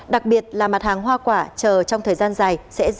đặc biệt là mặt hàng hoa quả chở trong thời gian dài sẽ dễ bị hư hỏng